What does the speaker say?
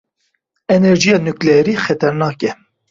Enerjiya nuklerî xeternak e.